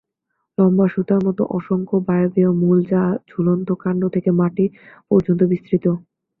লম্বা সুতার মত অসংখ্য বায়ুবীয় মূল যা ঝুলন্ত কাণ্ড থেকে মাটি পর্যন্ত বিস্তৃত।